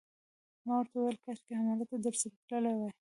ما ورته وویل: کاشکي همالته درسره تللی وای.